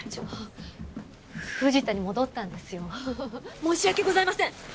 申し訳ございません！